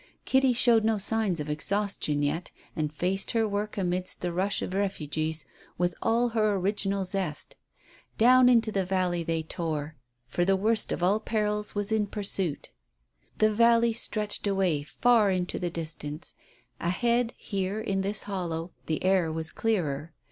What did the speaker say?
Kitty showed no signs of exhaustion yet, and faced her work amidst the rush of refugees with all her original zest. Down into the valley they tore, for the worst of all perils was in pursuit. The valley stretched away far into the distance; ahead, here, in this hollow, the air was clearer.